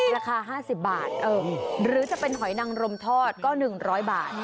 ราคา๕๐บาทหรือจะเป็นหอยนังรมทอดก็๑๐๐บาท